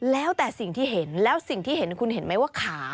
แล้วแต่สิ่งที่เห็นแล้วสิ่งที่เห็นคุณเห็นไหมว่าขา